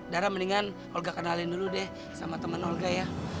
dara mendingan olga kenalin dulu deh sama temen olga ya